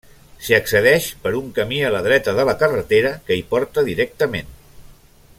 S'hi accedeix per un camí a la dreta de la carretera, que hi porta directament.